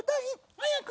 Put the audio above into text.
早く。